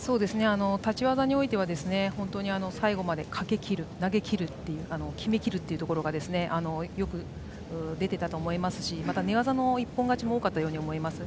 立ち技においては最後までかけきる投げきる決めきるというところがよく出ていたと思いますしまた寝技の一本勝ちも多かったように思います。